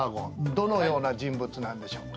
どのような人物なんでしょうか？